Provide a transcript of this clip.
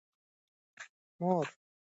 مور د ماشومانو د روغتیا لپاره تازه میوه ورکوي.